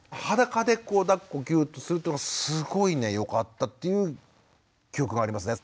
裸でこうだっこぎゅってするっていうのはすごいねよかったっていう記憶がありますね。